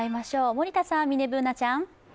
森田さん、ミニＢｏｏｎａちゃん。